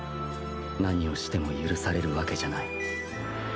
何をしても許されるわけじゃない。